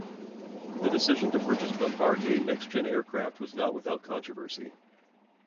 The decision to purchase Bombardier NextGen aircraft was not without controversy.